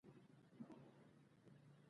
د مېړه او مېرمنې ترمنځ مینه د کور بنسټ دی.